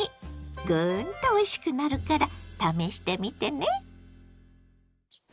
グーンとおいしくなるから試してみてね。